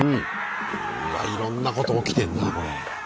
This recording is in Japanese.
いろんなこと起きてんなこれ。